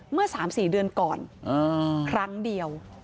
เมื่อ๓๔เดือนก่อนครั้งเดียว